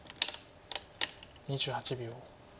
２８秒。